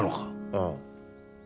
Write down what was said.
ああ。